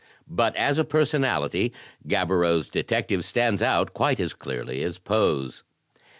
But as a personality Gaboriau's detective stands out quite as clearly as Poe's.